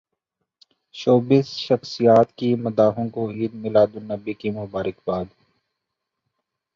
showbiz شخصیات کی مداحوں کو عید میلاد النبی کی مبارکباد